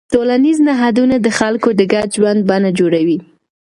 ټولنیز نهادونه د خلکو د ګډ ژوند بڼه جوړوي.